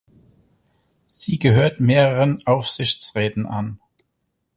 Sie gehört mehreren Aufsichtsräten an.